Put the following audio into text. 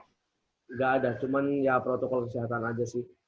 tidak ada cuma ya protokol kesehatan aja sih